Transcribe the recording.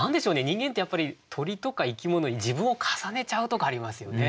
人間ってやっぱり鳥とか生き物に自分を重ねちゃうとこありますよね。